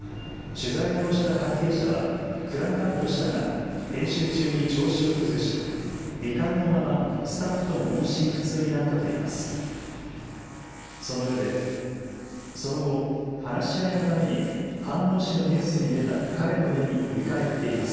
取材に応じた関係者はクランクアップしたが編集中に調子を崩し、未完のままスタッフとも音信不通になったといいます。